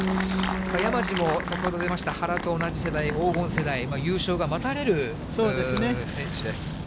山路も先ほどありました、原と同じ世代、黄金世代、優勝が待たれる選手です。